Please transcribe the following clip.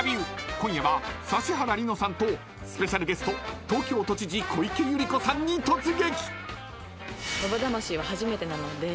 ［今夜は指原莉乃さんとスペシャルゲスト東京都知事小池百合子さんに突撃！］